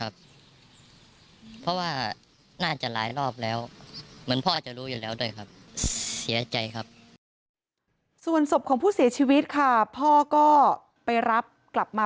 ส่วนศพของผู้เสียชีวิตค่ะพ่อก็ไปรับกลับมา